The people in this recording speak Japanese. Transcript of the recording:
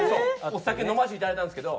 お酒飲ませていただいたんですけど。